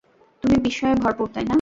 তুমি বিস্ময়ে ভরপুর, তাইনা?